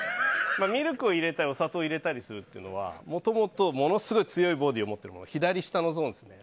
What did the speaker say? ミルクを入れたり、お砂糖を入れたりするっていうのはもともとものすごい強いボディーを持っている左下のゾーンですね。